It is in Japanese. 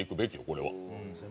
これは。